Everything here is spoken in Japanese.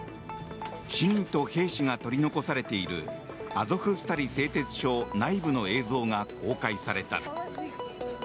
市民と兵士が取り残されているアゾフスタリ製鉄所内部の映像が公開された。